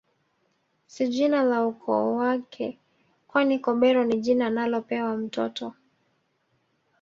Si jina la ukoo wake kwani Kobero ni jina analopewa mtoto